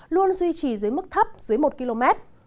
luôn duy trì dưới mức thấp dưới một km